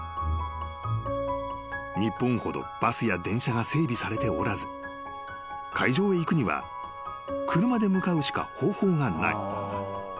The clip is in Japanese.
［日本ほどバスや電車が整備されておらず会場へ行くには車で向かうしか方法がない］